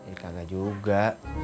eh kagak juga